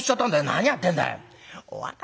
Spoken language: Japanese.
「何やってんだい」。